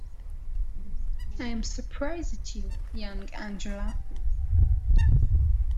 I'm surprised at you, young Angela.